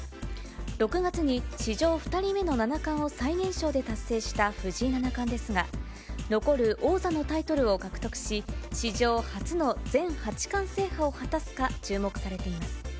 ６月に史上２人目の七冠を最年少で達成した藤井七冠ですが、残る王座のタイトルを獲得し、史上初の全八冠制覇を果たすか、注目されています。